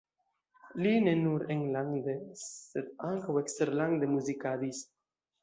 Li ne nur enlande, sed ankaŭ eksterlande muzikadis.